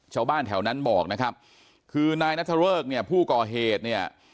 ชาวบ้านแถวนั้นบอกนะครับคือนายนัทเริกเนี่ยผู้ก่อเหตุเนี่ย